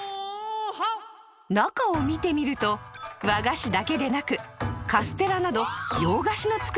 中を見てみると和菓子だけでなくカステラなど洋菓子の作り方まで。